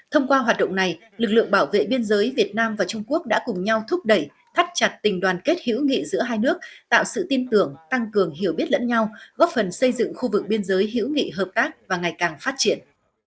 thông qua hoạt động này lực lượng bảo vệ biên giới việt nam và trung quốc đã cùng nhau thúc đẩy thắt chặt tình đoàn kết hữu nghị giữa hai nước tạo sự tin tưởng tăng cường hiểu biết lẫn nhau góp phần xây dựng khu vực biên giới hữu nghị hợp tác và ngày càng phát triển